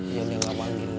ia gak mau lagi